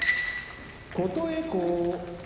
琴恵光